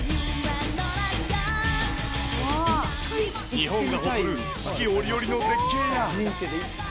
日本が誇る、四季折々の絶景や。